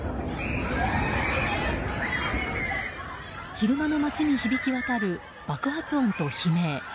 昼間の街に響き渡る爆発音と悲鳴。